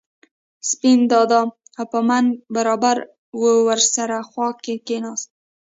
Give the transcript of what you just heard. سپین دادا او په منګ برابر ور سره خوا کې کېناست.